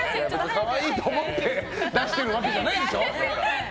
可愛いと思って出してるわけじゃないでしょ。